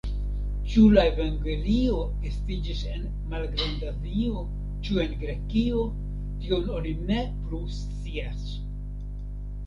Ĉu la evangelio estiĝis en Malgrandazio, ĉu en Grekio, tion oni ne plu scias.